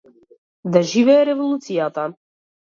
Да живее Револуцијата.